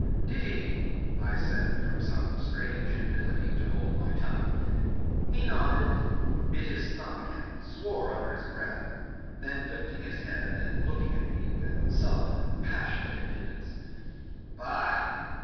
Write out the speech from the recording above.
"Did he?" I said from some strange inability to hold my tongue. He nodded, bit his thumb again, swore under his breath: then lifting his head and looking at me with sullen and passionate impudence "Bah!